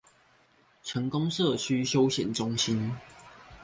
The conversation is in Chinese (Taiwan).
成功社區休閒中心